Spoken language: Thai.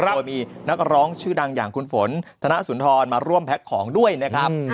โดยมีนักร้องชื่อดังอย่างคุณฝนธนสุนทรมาร่วมแพ็คของด้วยนะครับ